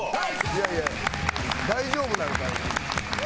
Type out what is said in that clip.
いやいや大丈夫なんかいな。